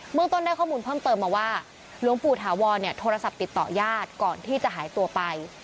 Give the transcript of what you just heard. เมืองต้นได้ข้อมูลเพิ่มเติมมาว่าหลวงปู่ถาวรโทรศัพท์ติดต่อญาติก่อนที่จะหายตัวไป